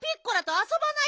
あそばない？